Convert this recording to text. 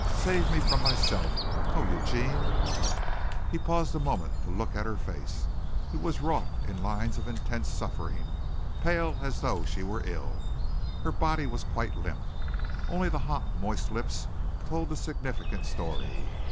Save me from myself. Oh, Eugene!" He paused a moment to look at her face. It was wrought in lines of intense suffering pale as though she were ill. Her body was quite limp. Only the hot, moist lips told the significant story.